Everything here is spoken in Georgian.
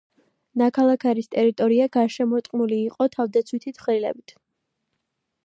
ნაქალაქარის ტერიტორია გარშემოტყმული იყო თავდაცვითი თხრილებით.